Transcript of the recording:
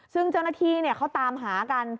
ซึ่งเจ้าหน้าที่เขาตามหากัน